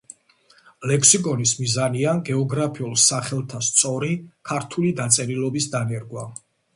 ლექსიკონის მიზანია გეოგრაფიულ სახელთა სწორი ქართული დაწერილობის დანერგვა.